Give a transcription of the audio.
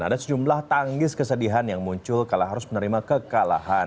ada sejumlah tangis kesedihan yang muncul kalau harus menerima kekalahan